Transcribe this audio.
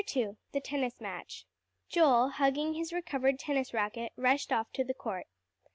II THE TENNIS MATCH Joel, hugging his recovered tennis racket, rushed off to the court.